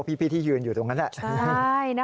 พี่ที่ยืนอยู่ตรงนั้นแหละ